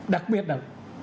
đặc biệt là